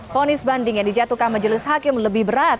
fonis banding yang dijatuhkan majelis hakim lebih berat